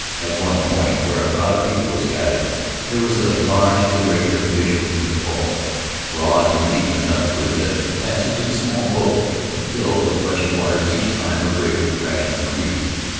At one point, where a crowd of people was gathered, there was a large irregular fissure in the coral, broad and deep enough to admit the passage of a small boat, and filled with rushing water each time a breaker crashed on the reef.